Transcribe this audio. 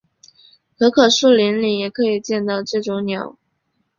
可可树林里也可见到这种鸟。